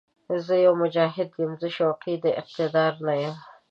زه يو «مجاهد» یم، زه شوقي د اقتدار نه یم